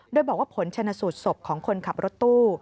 โดยบอกว่าผลชนสูตรศพของคนขับรถตู้